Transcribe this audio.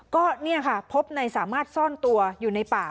ก็พบนายสามารถซ่อนตัวอยู่ในป่า